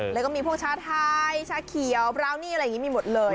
แล้วก็ชาไทยชาเขียวบราวนี่มีหมดเลย